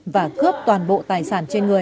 và cướp toàn bộ tài sản trên người